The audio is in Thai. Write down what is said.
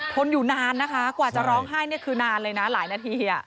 นอยู่นานนะคะกว่าจะร้องไห้เนี่ยคือนานเลยนะหลายนาที